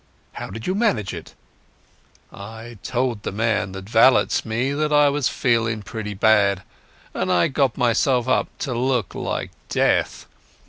"How did you manage it?" "I told the man that valets me that I was feeling pretty bad, and I got myself up to look like death.